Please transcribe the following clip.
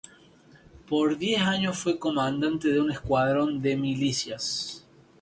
Por diez años fue comandante de un escuadrón de milicias.